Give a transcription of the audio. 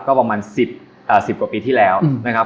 ก็ประมาณ๑๐กว่าปีที่แล้วนะครับ